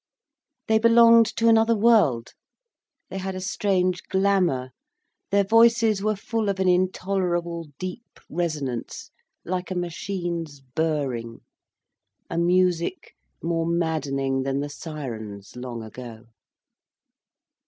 They belonged to another world, they had a strange glamour, their voices were full of an intolerable deep resonance, like a machine's burring, a music more maddening than the siren's long ago.